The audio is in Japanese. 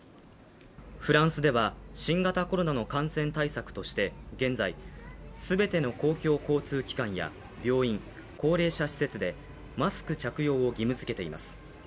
フランスでは新型コロナの感染対策として現在、全ての公共交通機関や病院、高齢者施設でマスク着用を義務づけています。